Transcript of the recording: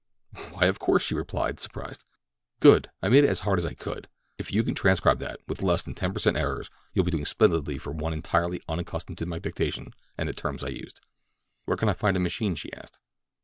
"Why, of course!" she replied, surprised. "Good! I made it as hard as I could. If you can transcribe that with less than ten per cent errors, you will be doing splendidly for one entirely unaccustomed to my dictation and the terms I used." "Where can I find a machine?" she asked.